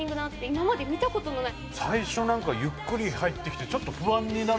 今まで見た事のない。